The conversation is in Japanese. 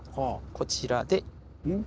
こちらで。